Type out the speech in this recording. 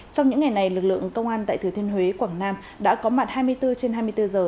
trong những ngày này lực lượng công an tại thừa thiên huế quảng nam đã có mặt hai mươi bốn trên hai mươi bốn giờ